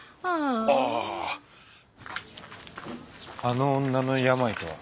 あの女の病とは？